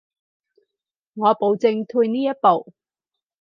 我保證退呢一步